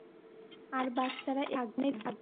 আর বাচ্চারা এখানেই থাকবে।